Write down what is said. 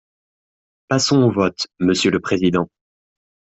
Passons au vote, monsieur le président